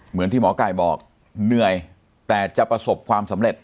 เหมือนที่หมอไก่บอกเหนื่อยแต่จะประสบความสำเร็จ